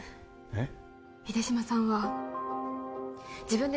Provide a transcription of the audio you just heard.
えっ？